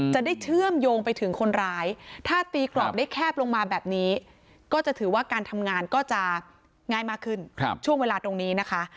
เชื่อมโยงไปถึงคนร้ายถ้าตีกรอบได้แคบลงมาแบบนี้ก็จะถือว่าการทำงานก็จะง่ายมากขึ้นช่วงเวลาตรงนี้นะคะ